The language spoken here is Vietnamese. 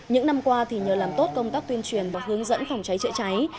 những năm qua thì nhờ làm tốt công tác tuyên truyền và hướng dẫn phòng cháy chữa cháy